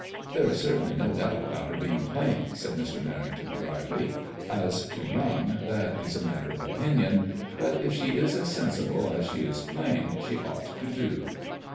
"There is certainly no doubt about her being plain," said Mr. Merrington, dryly. As to young, that is a matter of opinion ; but if she is as sensible as she is plain, she ought to do."